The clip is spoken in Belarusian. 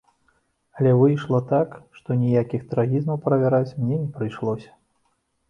Але выйшла так, што ніякіх трагізмаў правяраць мне не прыйшлося.